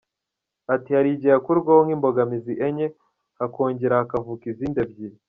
Ati “ Hari igihe hakurwaho nk’imbogamizi enye, hakongera hakavuka izindi ebyiri.